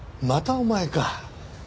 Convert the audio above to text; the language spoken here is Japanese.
またお前か。